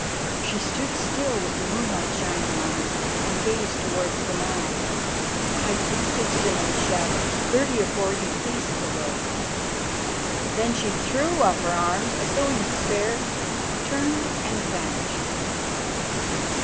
She stood still, with the moonlight shining on her, and gazed towards the Nile. I, too, stood still in the shadow, thirty or forty paces away. Then she threw up her arms as though in despair, turned and vanished."